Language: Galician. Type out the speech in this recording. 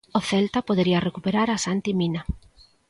O Celta podería recuperar a Santi Mina.